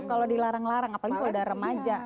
kalau dilarang larang apalagi kalau udah remaja